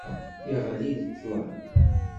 Yeɣli-d ṭlam.